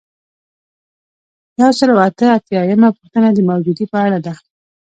یو سل او اته اتیایمه پوښتنه د موجودیې په اړه ده.